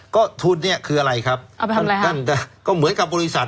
ก็ทุนเนี่ยคืออะไรครับเอาไปทำอะไรท่านแต่ก็เหมือนกับบริษัท